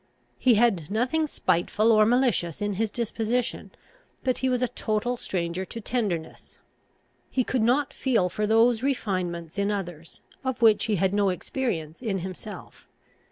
He had nothing spiteful or malicious in his disposition, but he was a total stranger to tenderness; he could not feel for those refinements in others, of which he had no experience in himself.